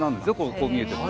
こう見えても。